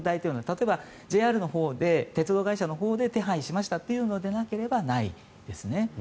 例えばＪＲのほうで鉄道会社のほうで手配しましたっていうのでなければないですね。